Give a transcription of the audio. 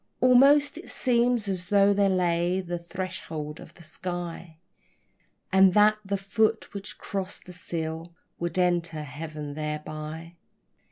Almost it seems as though there lay the threshold of the sky, And that the foot which crossed that sill would enter Heaven thereby.